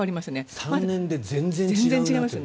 ３年で全然違いますよね。